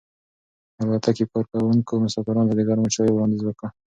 د الوتکې کارکونکو مسافرانو ته د ګرمو چایو وړاندیز وکړ.